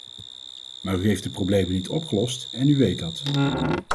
Maar u heeft de problemen niet opgelost en u weet dat.